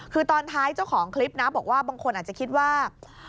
คือตอนท้ายเจ้าของคลิปนะบอกว่าบางคนอาจจะคิดว่า